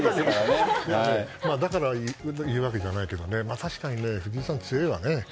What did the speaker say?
だからっていうわけじゃなくても確かに藤井さん強いわね。